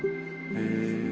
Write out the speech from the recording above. へえ。